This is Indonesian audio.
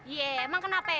iya memang kenapa